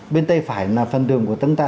bên tay phải là phần đường của tâm ta